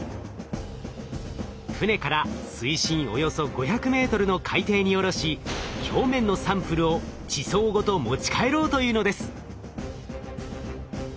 船から水深およそ５００ｍの海底に下ろし表面のサンプルを地層ごと持ち帰ろうというのです。